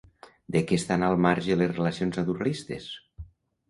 De què estan al marge les relacions naturalistes?